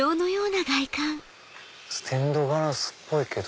ステンドグラスっぽいけど。